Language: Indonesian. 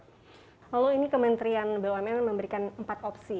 lalu ini kementerian bumn memberikan empat opsi